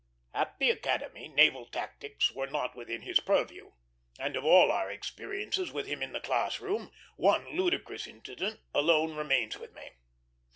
At the Academy, naval tactics were not within his purview; and of all our experiences with him in the class room, one ludicrous incident alone remains with me.